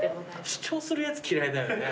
主張するやつ嫌いだよね。